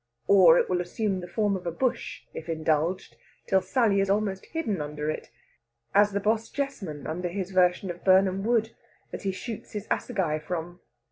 Or it will assume the form of a bush, if indulged, till Sally is almost hidden under it, as the Bosjesman under his version of Birnam Wood, that he shoots his assegai from.